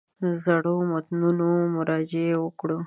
زړو متنونو مراجعې وکړو.